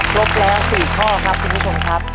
ครบแล้วสี่ข้อครับคุณพิษงครับ